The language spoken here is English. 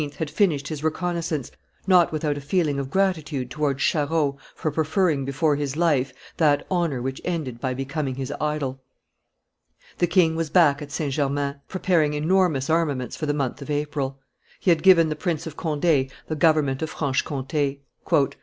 had finished his reconnoissance, not without a feeling of gratitude towards Charost for preferring before his life that honor which ended by becoming his idol. The king was back at St. Germain, preparing enormous armaments for the month of April. He had given the Prince of Conde the government of Franche Comte.